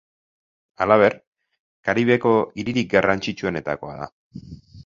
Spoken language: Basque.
Halaber, Karibeko hiririk garrantzitsuenetakoa da.